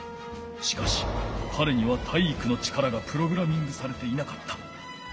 しかしかれには体育の力がプログラミングされていなかった。